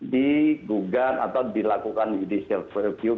digugat atau dilakukan judicial review